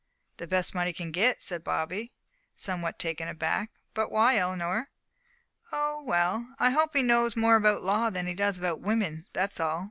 "The best that money can get," said Bobby, somewhat taken aback. "But why, Eleanor?" "Oh, well I hope he knows more about law than he does about women, that's all.